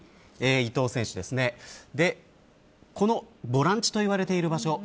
ボランチといわれている場所